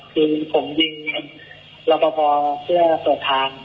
คือผมยิงรอบบอลเพื่อสดทาง